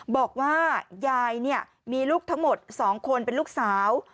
บอกว่ายายมีลูกทั้งหมด๒คนเป็นลูกสาว